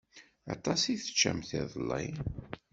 Aṭas i teččamt iḍelli.